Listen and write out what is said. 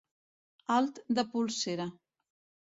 Alt de polsera.